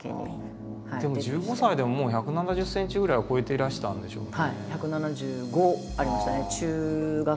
１５歳でももう１７０ｃｍぐらいは超えていらしたんでしょうね。